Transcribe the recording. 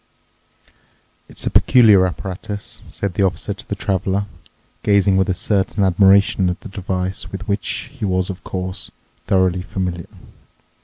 "It's a peculiar apparatus," said the Officer to the Traveler, gazing with a certain admiration at the device, with which he was, of course, thoroughly familiar.